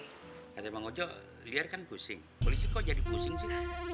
katanya bang ojo liar kan pusing polisi kok jadi pusing sih